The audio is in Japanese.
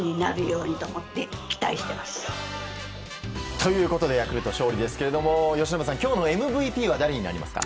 ということでヤクルト勝利ですが由伸さん、今日のＭＶＰは誰になりますか？